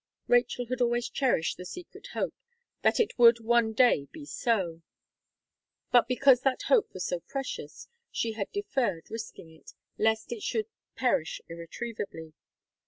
Rachel had always cherished the secret hope that it would one day be so, but because that hope was so precious, she had deferred risking it, lest it should perish irretrievably.